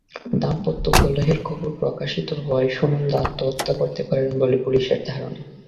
দাম্পত্য কলহের খবর প্রকাশিত হওয়ায় সুনন্দা আত্মহত্যা করতে পারেন বলে পুলিশের ধারণা।